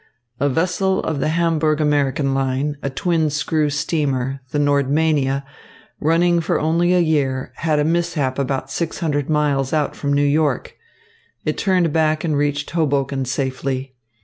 "A vessel of the Hamburg American line, a twin screw steamer, the Nordmania, running for only a year, had a mishap about six hundred miles out from New York. It turned back and reached Hoboken safely.